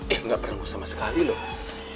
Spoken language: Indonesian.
eh gak perlu sama sekali lah ya